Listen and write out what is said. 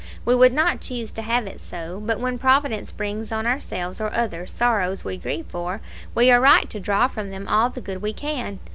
We would not choose to have it so; but when Providence brings on ourselves or others sorrows we grieve for, we are right to draw from them all the good we can.